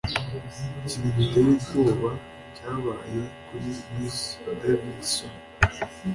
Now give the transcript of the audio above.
Ikintu giteye ubwoba cyabaye kuri Miss Davidson.